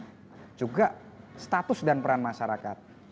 yang pedagang juga status dan peran masyarakat